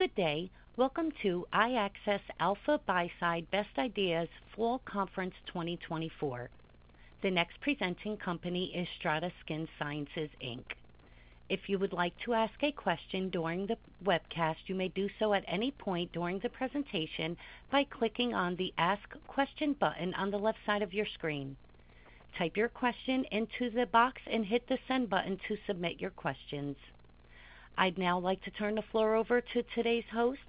Good day. Welcome to iAccess Alpha Buyside Best Ideas Fall Conference 2024. The next presenting company is Strata Skin Sciences, Inc. If you would like to ask a question during the webcast, you may do so at any point during the presentation by clicking on the Ask Question button on the left side of your screen. Type your question into the box and hit the send button to submit your questions. I'd now like to turn the floor over to today's host,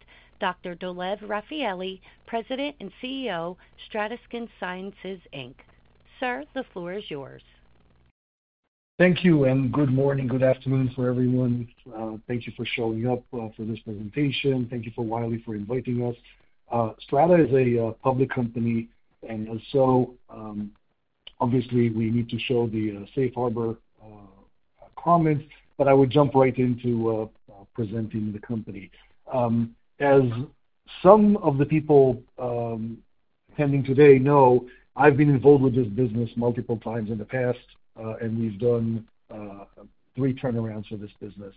Dr. Dolev Rafaeli, President and CEO, Strata Skin Sciences, Inc. Sir, the floor is yours. Thank you, and good morning, good afternoon for everyone. Thank you for showing up for this presentation. Thank you, Wiley, for inviting us. Strata is a public company, and so obviously we need to show the safe harbor comments, but I will jump right into presenting the company. As some of the people attending today know, I've been involved with this business multiple times in the past, and we've done three turnarounds for this business.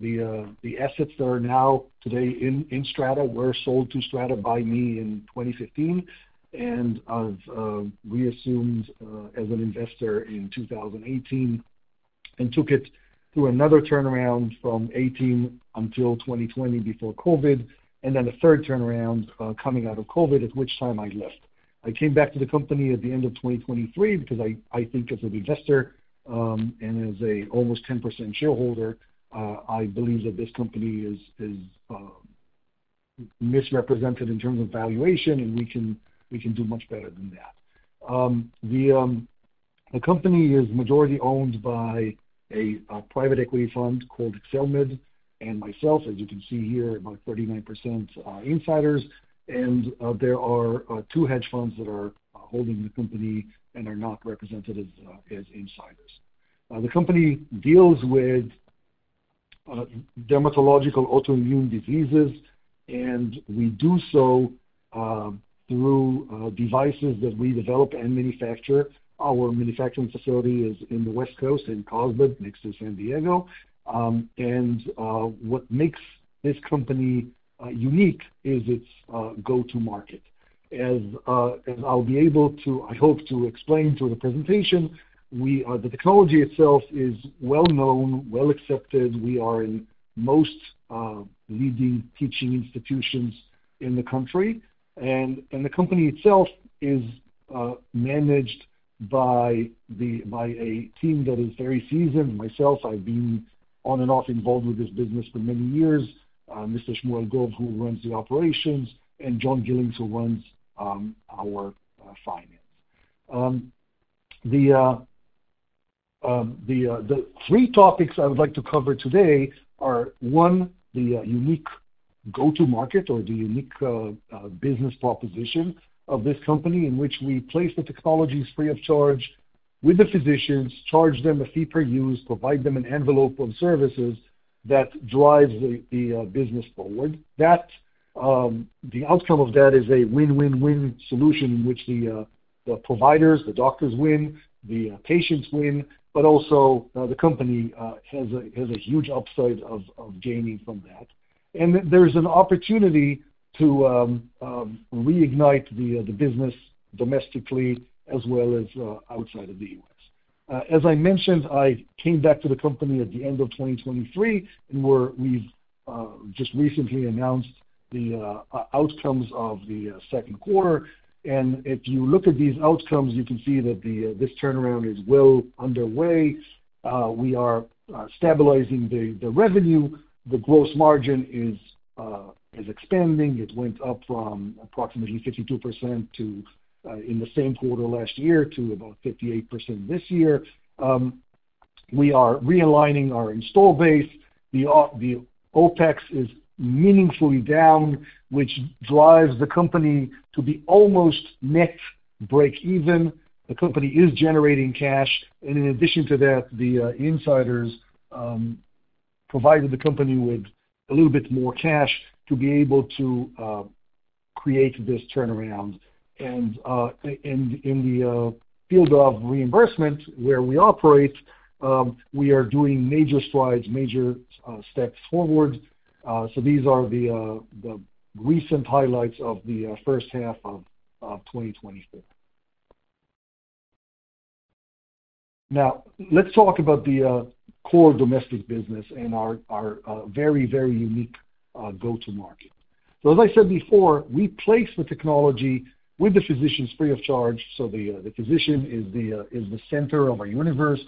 The assets that are now in Strata were sold to Strata by me in 2015, and I've reassumed as an investor in 2018, and took it through another turnaround from 2018 until 2020 before COVID, and then a third turnaround coming out of COVID, at which time I left. I came back to the company at the end of 2023 because I think as an investor, and as a almost 10% shareholder, I believe that this company is misrepresented in terms of valuation, and we can do much better than that. The company is majority owned by a private equity fund called Accelmed and myself, as you can see here, about 39% insiders, and there are two hedge funds that are holding the company and are not represented as insiders. The company deals with dermatological autoimmune diseases, and we do so through devices that we develop and manufacture. Our manufacturing facility is in the West Coast, in Carlsbad, next to San Diego. What makes this company unique is its go-to-market. As I'll be able to, I hope to explain through the presentation, we are the technology itself is well known, well accepted. We are in most leading teaching institutions in the country, and the company itself is managed by a team that is very seasoned. Myself, I've been on and off involved with this business for many years, Mr. Shmuel Gov, who runs the operations, and John Gillings, who runs our finance. The three topics I would like to cover today are, one, the unique go-to-market or the unique business proposition of this company, in which we place the technologies free of charge with the physicians, charge them a fee per use, provide them an envelope of services that drives the business forward. That the outcome of that is a win-win-win solution in which the providers, the doctors win, the patients win, but also the company has a huge upside of gaining from that. There's an opportunity to reignite the business domestically as well as outside of the U.S. As I mentioned, I came back to the company at the end of 2023, and we've just recently announced the outcomes of the second quarter. If you look at these outcomes, you can see that this turnaround is well underway. We are stabilizing the revenue. The gross margin is expanding. It went up from approximately 52% in the same quarter last year to about 58% this year. We are realigning our installed base. The OpEx is meaningfully down, which drives the company to be almost net breakeven. The company is generating cash, and in addition to that, the insiders provided the company with a little bit more cash to be able to create this turnaround, and in the field of reimbursement where we operate, we are doing major strides, major steps forward, so these are the recent highlights of the first half of 2023. Now, let's talk about the core domestic business and our very, very unique go-to-market, so as I said before, we place the technology with the physicians free of charge, so the physician is the center of our universe.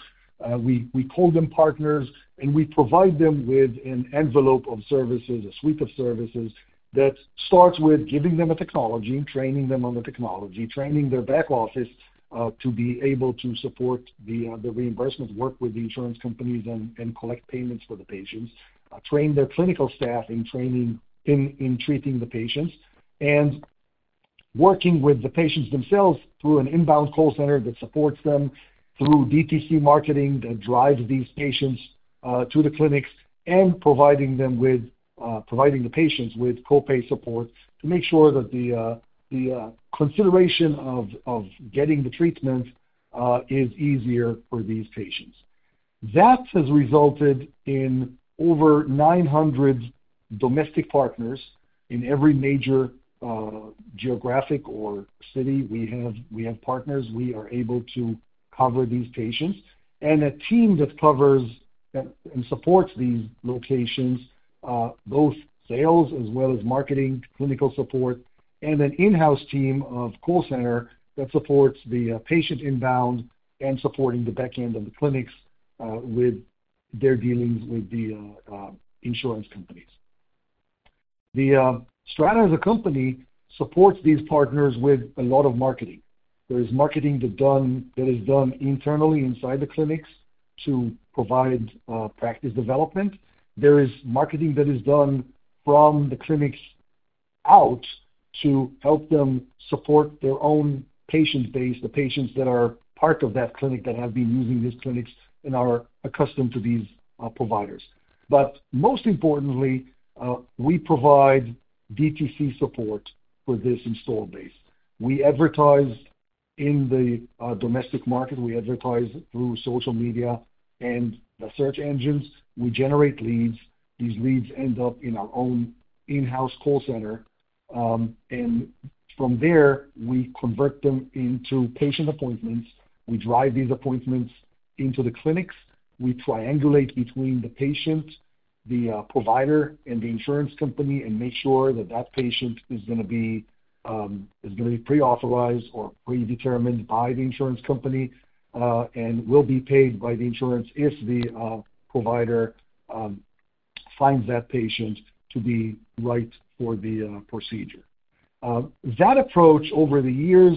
We call them partners, and we provide them with an envelope of services, a suite of services, that starts with giving them a technology, training them on the technology, training their back office to be able to support the reimbursement work with the insurance companies and collect payments for the patients. Train their clinical staff in treating the patients, and working with the patients themselves through an inbound call center that supports them through DTC marketing, that drives these patients to the clinics, and providing the patients with co-pay support to make sure that the consideration of getting the treatment is easier for these patients. That has resulted in over nine hundred domestic partners in every major geographic or city. We have partners. We are able to cover these patients, and a team that covers and supports these locations, both sales as well as marketing, clinical support, and an in-house team of call center that supports the patient inbound and supporting the back end of the clinics with their dealings with the insurance companies. The Strata as a company supports these partners with a lot of marketing. There is marketing that is done internally inside the clinics to provide practice development. There is marketing that is done from the clinics out to help them support their own patient base, the patients that are part of that clinic, that have been using these clinics and are accustomed to these providers. But most importantly, we provide DTC support for this installed base. We advertise in the domestic market. We advertise through social media and the search engines. We generate leads. These leads end up in our own in-house call center, and from there, we convert them into patient appointments. We drive these appointments into the clinics. We triangulate between the patient, the provider, and the insurance company, and make sure that patient is going to be pre-authorized or predetermined by the insurance company, and will be paid by the insurance if the provider finds that patient to be right for the procedure. That approach over the years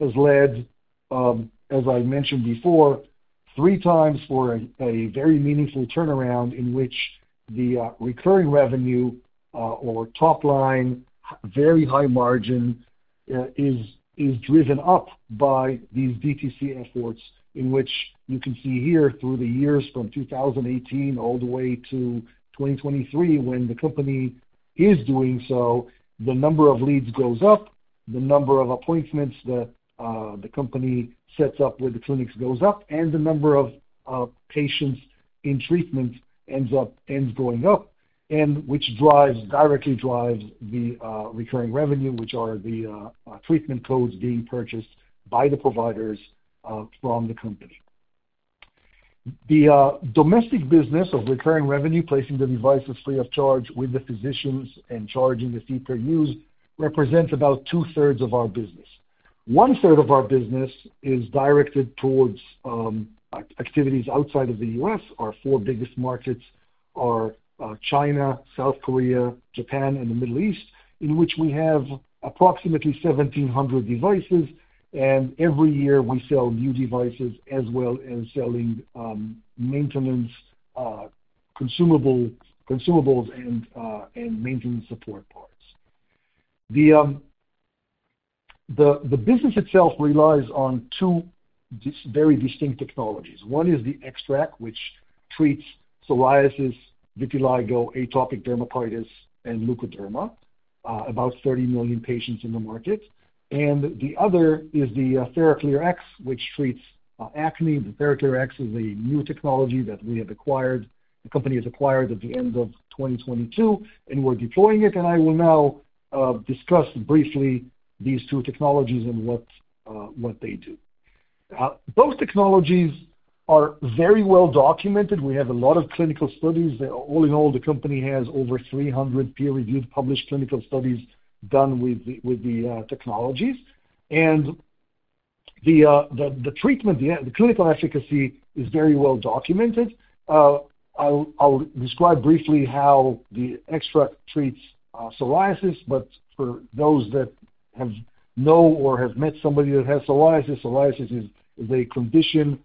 has led, as I mentioned before, three times for a very meaningful turnaround in which the recurring revenue or top line, very high margin, is driven up by these DTC efforts, in which you can see here through the years, from 2018 all the way to 2023, when the company is doing so, the number of leads goes up, the number of appointments that the company sets up with the clinics goes up, and the number of patients in treatment ends up going up, and which directly drives the recurring revenue, which are the treatment codes being purchased by the providers from the company. The domestic business of recurring revenue, placing the devices free of charge with the physicians and charging the fee per use, represents about 2/3 of our business. One-third of our business is directed towards activities outside of the U.S. Our four biggest markets are China, South Korea, Japan, and the Middle East, in which we have approximately 1,700 devices, and every year we sell new devices as well as selling maintenance consumables and maintenance support parts. The business itself relies on two very distinct technologies. One is the XTRAC, which treats psoriasis, vitiligo, atopic dermatitis, and leukoderma, about 30 million patients in the market. The other is the TheraClearX, which treats acne. The TheraClearX is a new technology that we have acquired, the company has acquired at the end of 2022, and we're deploying it. I will now discuss briefly these two technologies and what they do. Both technologies are very well documented. We have a lot of clinical studies. All in all, the company has over three hundred peer-reviewed, published clinical studies done with the technologies. The treatment, the clinical efficacy is very well documented. I'll describe briefly how the XTRAC treats psoriasis, but for those that know or have met somebody that has psoriasis, psoriasis is a condition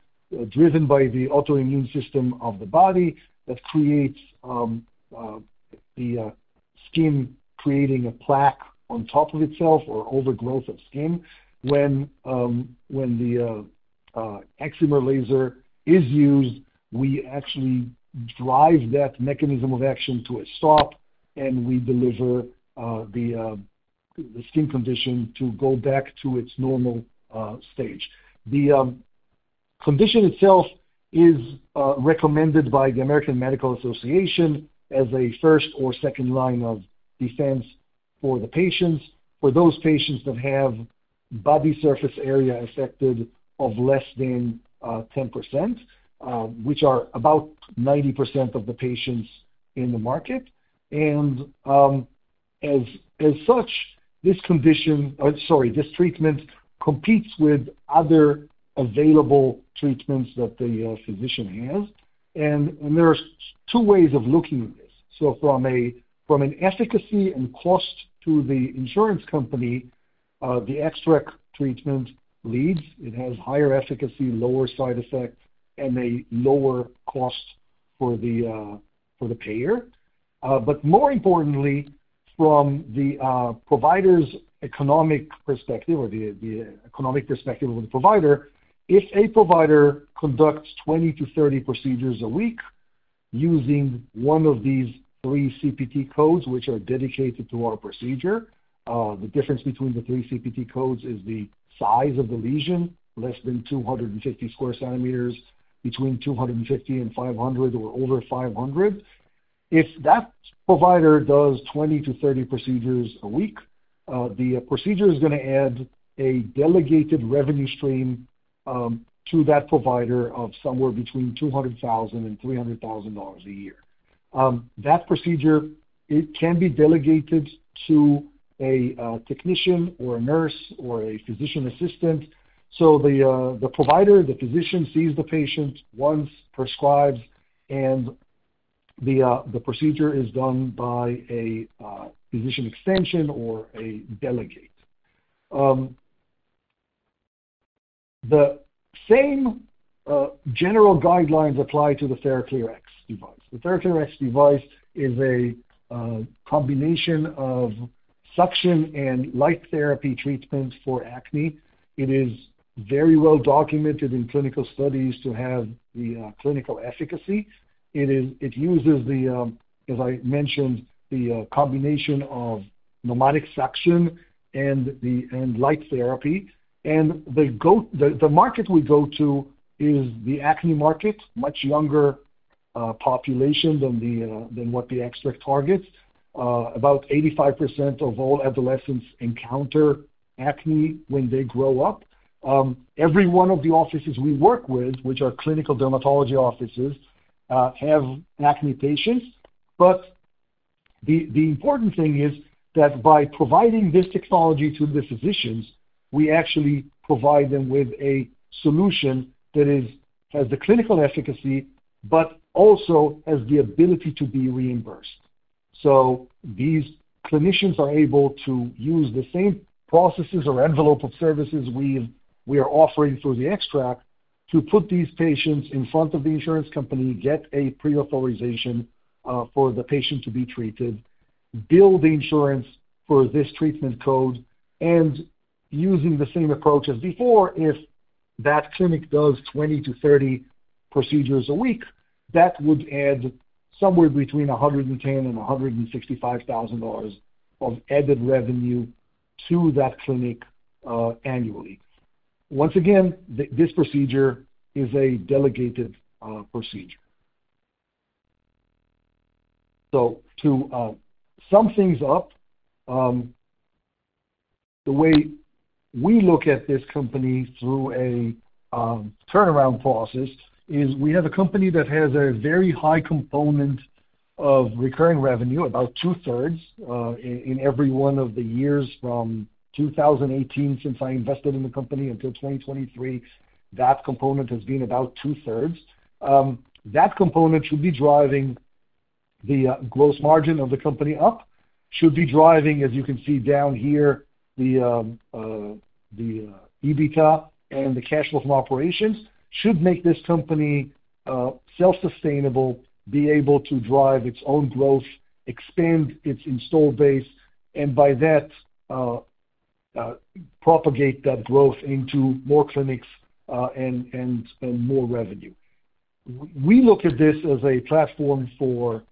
driven by the autoimmune system of the body that creates the skin creating a plaque on top of itself or overgrowth of skin. When the excimer laser is used, we actually drive that mechanism of action to a stop, and we deliver the skin condition to go back to its normal stage. The condition itself is recommended by the American Medical Association as a first or second line of defense for the patients, for those patients that have body surface area affected of less than 10%, which are about 90% of the patients in the market. And as such, this condition, sorry, this treatment competes with other available treatments that the physician has. And there are two ways of looking at this. So from an efficacy and cost to the insurance company, the XTRAC treatment leads. It has higher efficacy, lower side effects, and a lower cost for the payer. But more importantly, from the provider's economic perspective or the economic perspective of the provider, if a provider conducts 20-30 procedures a week using one of these three CPT codes, which are dedicated to our procedure. The difference between the three CPT codes is the size of the lesion, less than 250 sq. cm, between 250 and 500, or over 500. If that provider does 20-30 procedures a week, the procedure is going to add a delegated revenue stream to that provider of somewhere between $200,000 and $300,000 a year. That procedure, it can be delegated to a technician, or a nurse, or a physician assistant. So the provider, the physician sees the patient once prescribed, and the procedure is done by a physician extension or a delegate. The same general guidelines apply to the TheraClearX device. The TheraClearX device is a combination of suction and light therapy treatments for acne. It is very well documented in clinical studies to have the clinical efficacy. It uses the, as I mentioned, the combination of pneumatic suction and light therapy. And the market we go to is the acne market, much younger population than what the XTRAC targets. About 85% of all adolescents encounter acne when they grow up. Every one of the offices we work with, which are clinical dermatology offices, have acne patients. But the important thing is that by providing this technology to the physicians, we actually provide them with a solution that is, has the clinical efficacy, but also has the ability to be reimbursed. So these clinicians are able to use the same processes or envelope of services we are offering through the XTRAC to put these patients in front of the insurance company, get a pre-authorization for the patient to be treated, bill the insurance for this treatment code, and using the same approach as before, if that clinic does 20-30 procedures a week, that would add somewhere between $110,000 and $165,000 of added revenue to that clinic annually. Once again, this procedure is a delegated procedure. So to sum things up, the way we look at this company through a turnaround process is we have a company that has a very high component of recurring revenue, about 2/3, in every one of the years from 2018, since I invested in the company, until 2023. That component has been about 2/3. That component should be driving the gross margin of the company up, should be driving, as you can see down here, the EBITDA and the cash flow from operations. Should make this company self-sustainable, be able to drive its own growth, expand its install base, and by that propagate that growth into more clinics, and more revenue. We look at this as a platform for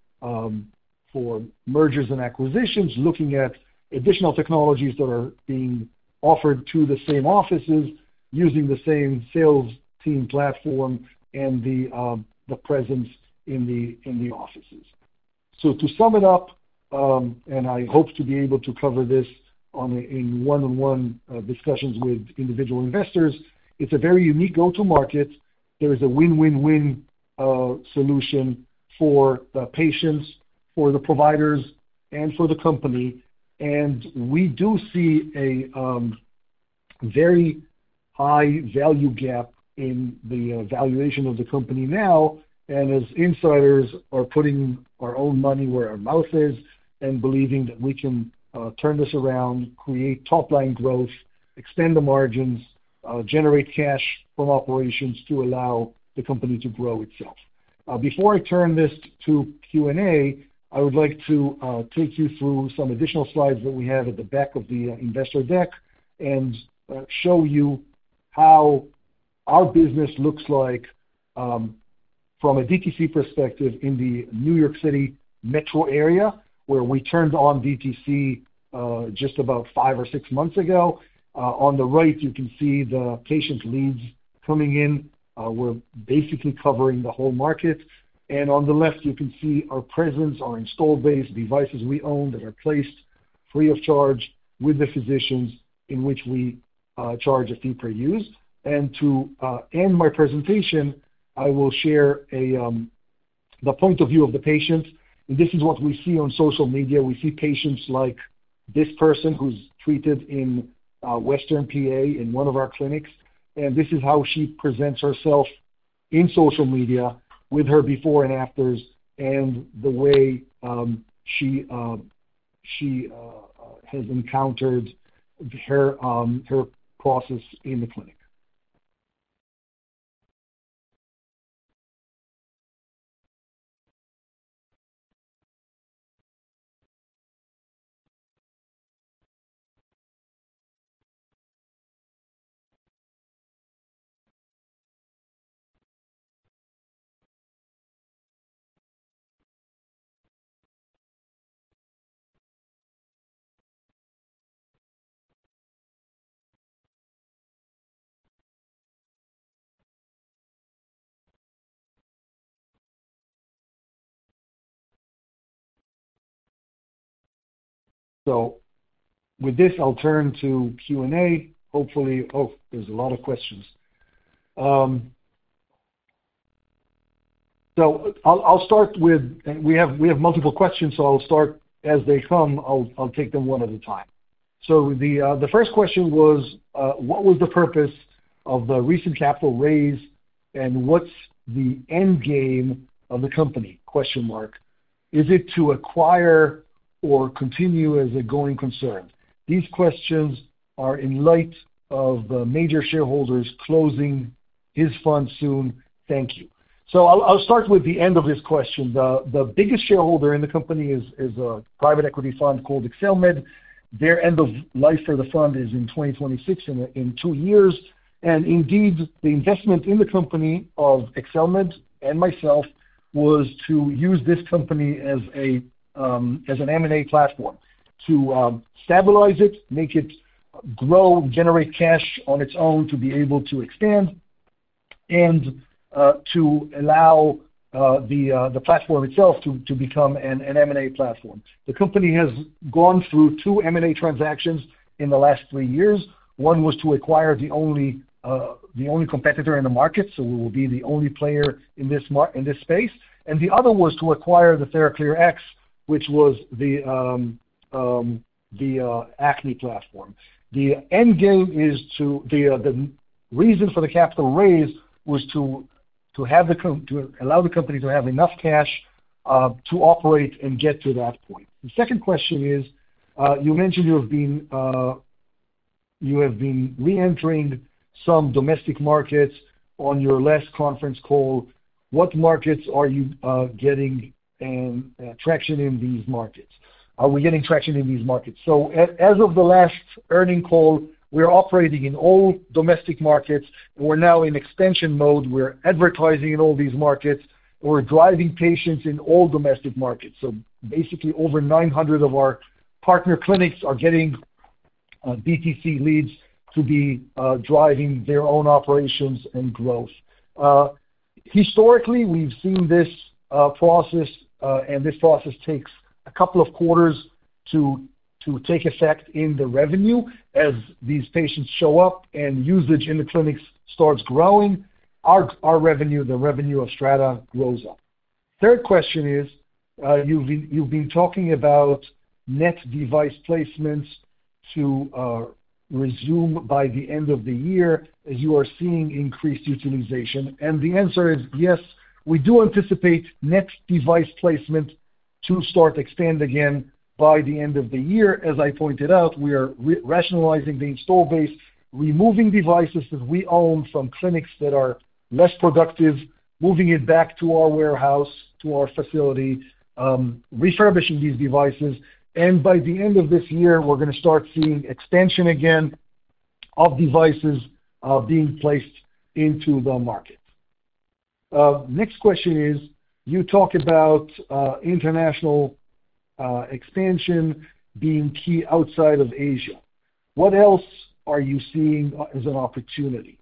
mergers and acquisitions, looking at additional technologies that are being offered to the same offices, using the same sales team platform and the presence in the offices. So to sum it up, and I hope to be able to cover this in one-on-one discussions with individual investors, it's a very unique go-to-market. There is a win-win-win solution for the patients, for the providers, and for the company. And we do see a very high value gap in the valuation of the company now, and as insiders are putting our own money where our mouth is and believing that we can turn this around, create top-line growth, extend the margins, generate cash from operations to allow the company to grow itself. Before I turn this to Q&A, I would like to take you through some additional slides that we have at the back of the investor deck and show you how our business looks like from a DTC perspective in the New York City metro area, where we turned on DTC just about five or six months ago. On the right, you can see the patient leads coming in. We're basically covering the whole market, and on the left, you can see our presence, our installed base, devices we own that are placed free of charge with the physicians, in which we charge a fee per use, and to end my presentation, I will share the point of view of the patient, and this is what we see on social media. We see patients like this person who's treated in Western PA in one of our clinics, and this is how she presents herself in social media with her before and afters, and the way she has encountered her process in the clinic. So with this, I'll turn to Q&A. Hopefully. Oh, there's a lot of questions. So I'll start with. We have multiple questions, so I'll start as they come. I'll take them one at a time. So the first question was what was the purpose of the recent capital raise, and what's the end game of the company, question mark. Is it to acquire or continue as a going concern? These questions are in light of the major shareholders closing his fund soon. Thank you. I'll start with the end of this question. The biggest shareholder in the company is a private equity fund called Accelmed. Their end of life for the fund is in 2026, in two years. And indeed, the investment in the company of Accelmed and myself was to use this company as an M&A platform to stabilize it, make it grow, generate cash on its own, to be able to expand, and to allow the platform itself to become an M&A platform. The company has gone through two M&A transactions in the last three years. One was to acquire the only competitor in the market, so we will be the only player in this space. And the other was to acquire the TheraClearX, which was the acne platform. The end game is to... The reason for the capital raise was to have the com-- to allow the company to have enough cash to operate and get to that point. The second question is, you mentioned you have been reentering some domestic markets on your last conference call. What markets are you getting traction in these markets? Are we getting traction in these markets? So as of the last earnings call, we are operating in all domestic markets. We're now in expansion mode. We're advertising in all these markets. We're driving patients in all domestic markets. So basically, over nine hundred of our partner clinics are getting DTC leads to be driving their own operations and growth. Historically, we've seen this process, and this process takes a couple of quarters to take effect in the revenue. As these patients show up and usage in the clinics starts growing, our revenue, the revenue of Strata, grows up. Third question is, you've been talking about net device placements to resume by the end of the year as you are seeing increased utilization. And the answer is yes, we do anticipate net device placement to start to expand again by the end of the year. As I pointed out, we are re-rationalizing the install base, removing devices that we own from clinics that are less productive, moving it back to our warehouse, to our facility, refurbishing these devices, and by the end of this year, we're going to start seeing expansion again of devices being placed into the market. Next question is, you talk about international expansion being key outside of Asia. What else are you seeing as an opportunity?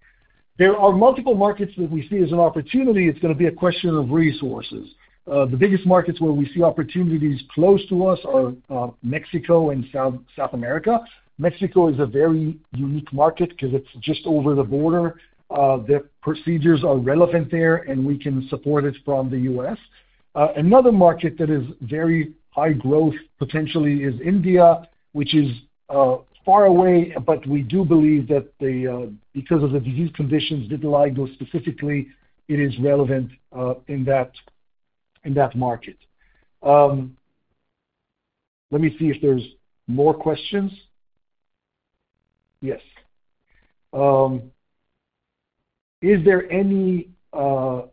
There are multiple markets that we see as an opportunity. It's going to be a question of resources. The biggest markets where we see opportunities close to us are Mexico and South America. Mexico is a very unique market because it's just over the border. Their procedures are relevant there, and we can support it from the U.S. Another market that is very high growth, potentially, is India, which is far away, but we do believe that because of the disease conditions, vitiligo specifically, it is relevant in that market. Let me see if there's more questions. Yes. Is there any gross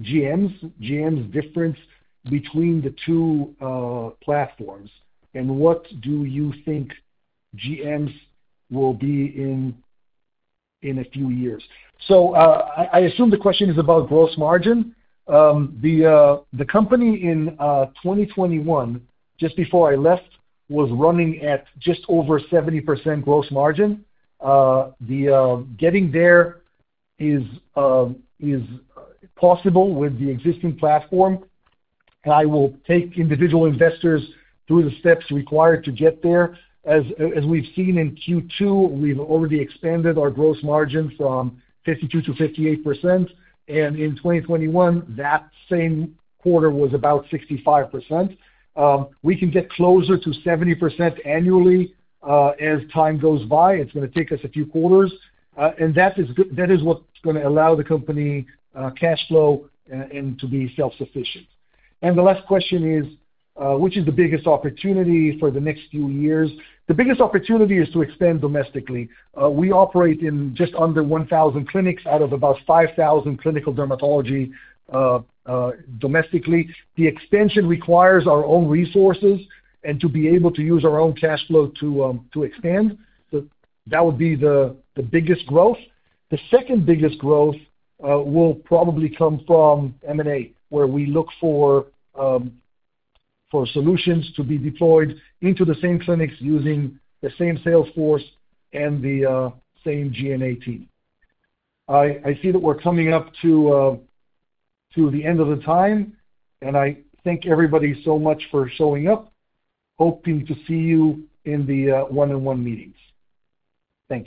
GMs, GMs difference between the two platforms, and what do you think GMs will be in a few years? I assume the question is about gross margin. The company in 2021, just before I left, was running at just over 70% gross margin. Getting there is possible with the existing platform. I will take individual investors through the steps required to get there. As we've seen in Q2, we've already expanded our gross margins from 52% to 58%, and in 2021, that same quarter was about 65%. We can get closer to 70% annually as time goes by. It's going to take us a few quarters. That is what's going to allow the company cash flow and to be self-sufficient. The last question is, which is the biggest opportunity for the next few years? The biggest opportunity is to expand domestically. We operate in just under 1,000 clinics out of about 5,000 clinical dermatology domestically. The expansion requires our own resources and to be able to use our own cash flow to expand. So that would be the biggest growth. The second biggest growth will probably come from M&A, where we look for solutions to be deployed into the same clinics using the same sales force and the same G&A team. I see that we're coming up to the end of the time, and I thank everybody so much for showing up. Hoping to see you in the one-on-one meetings. Thank you.